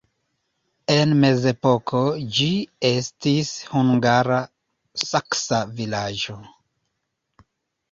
En mezepoko ĝi estis hungara-saksa vilaĝo.